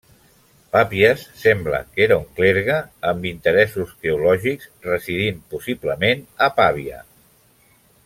Papies sembla que era un clergue amb interessos teològics, residint possiblement a Pavia.